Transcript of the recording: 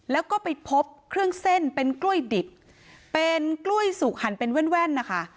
แล้วก็ไปพบเครื่องเส้นเป็นกล้วยดิบเป็นกล้วยสุกหั่นเป็นแว่นนะคะ